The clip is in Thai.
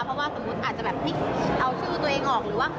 เพราะว่าสมมุติอาจจะเอาชื่อตัวเองออก